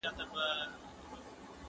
زه به اوږده موده د ليکلو تمرين کړی وم؟!